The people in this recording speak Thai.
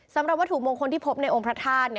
สำหรับวัตถุมงคลที่พบในองค์พระธาตุ